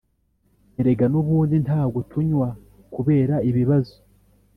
Erega nubundi ntago tunywa kubera ibibazo